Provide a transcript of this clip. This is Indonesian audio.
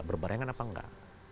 berbarengan apa enggak